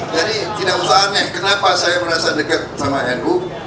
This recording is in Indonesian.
jadi tidak usah aneh kenapa saya merasa dekat sama nu